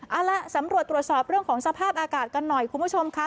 เอาล่ะสำรวจตรวจสอบเรื่องของสภาพอากาศกันหน่อยคุณผู้ชมค่ะ